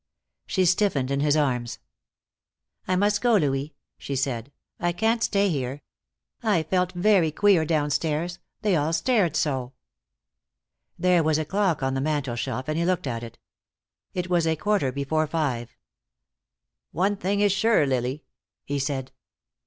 She stiffened in his arms. "I must go, Louis," she said. "I can't stay here. I felt very queer downstairs. They all stared so." There was a clock on the mantel shelf, and he looked at it. It was a quarter before five. "One thing is sure, Lily," he said.